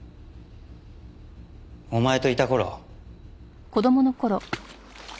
お前といた頃。